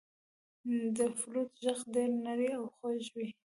• د فلوت ږغ ډېر نری او خوږ وي.